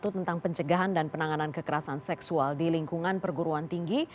tentang pencegahan dan penanganan kekerasan seksual di lingkungan perguruan tinggi